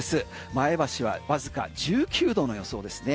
前橋はわずか１９度の予想ですね。